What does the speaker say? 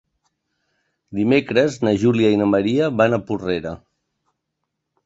Dimecres na Júlia i na Maria van a Porrera.